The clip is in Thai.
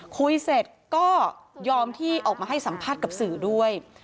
คุยเสร็จก็ยอมที่ออกมาให้สัมภาษณ์กับสื่อด้วย